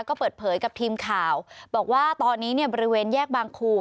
ก็เปิดเผยกับทีมข่าวบอกว่าตอนนี้เนี่ยบริเวณแยกบางครู